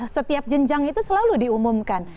setiap jenjang itu selalu diumumkan